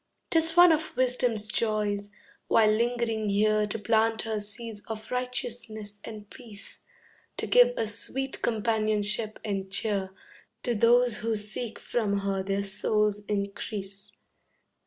'Tis one of wisdom's joys, while lingering here To plant her seeds of righteousness and peace, To give a sweet companionship and cheer To those who seek from her their soul's increase.